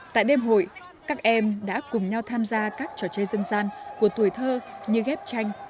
tại đêm hội các em đã cùng nhau tham gia các trò chơi dân gian của tuổi thơ như ghép tranh